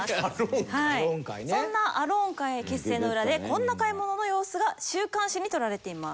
そんなアローン会結成の裏でこんな買い物の様子が週刊誌に撮られています。